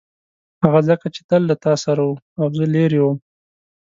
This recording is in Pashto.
هغه ځکه چې تل له تا سره و او زه لیرې وم.